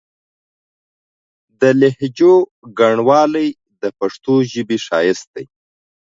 د لهجو ګڼوالی د پښتو ژبې ښايست دی.